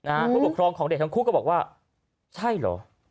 ผู้ปกครองของเด็กทั้งคู่ก็บอกว่าใช่เหรอ